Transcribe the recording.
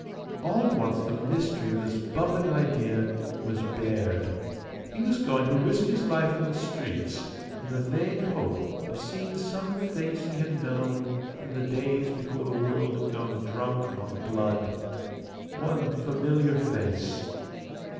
All at once the mystery of this bubbling idea was bared: he was going to risk his life in the streets in the vague hope of seeing some face he had known in the days before the world had gone drunk on blood. One familiar face.